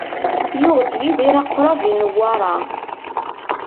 Yuɣ-d Yidir aqrab i Newwara.